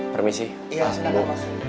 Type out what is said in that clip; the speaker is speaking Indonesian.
permisi pak bu